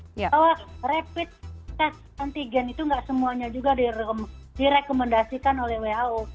bahwa rapid test antigen itu tidak semuanya juga direkomendasikan oleh who